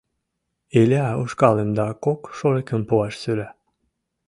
Иля ушкалым да кок шорыкым пуаш сӧра.